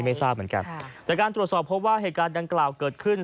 ไม่ทราบเหมือนกันจากการตรวจสอบพบว่าเหตุการณ์ดังกล่าวเกิดขึ้น